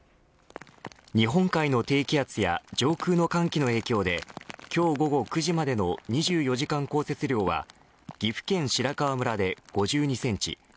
日本海の低気圧や上空の寒気の影響で今日午後９時までの２４時間降雪量は岐阜県白川村で５２センチ